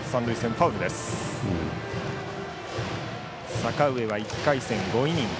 阪上は１回戦５イニング。